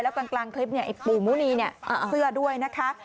กลางคลิปเนี่ยไอ้ปู่มุนีเนี่ยเสื้อด้วยนะคะ